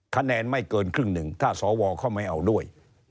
คะแนนไม่เกินครึ่งหนึ่งถ้าสวเขาไม่เอาด้วย